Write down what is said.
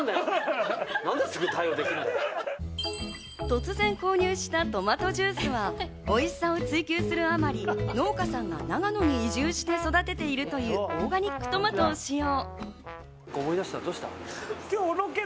突然購入したトマトジュースは、おいしさを追求するあまり、農家さんが長野に移住して育てているというオーガニックトマトを使用。